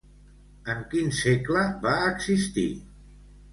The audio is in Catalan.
En quin segle va existir?